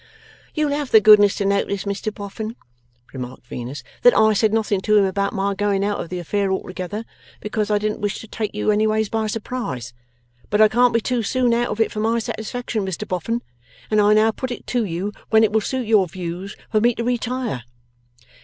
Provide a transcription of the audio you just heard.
'You'll have the goodness to notice, Mr Boffin,' remarked Venus, 'that I said nothing to him about my going out of the affair altogether, because I didn't wish to take you anyways by surprise. But I can't be too soon out of it for my satisfaction, Mr Boffin, and I now put it to you when it will suit your views for me to retire?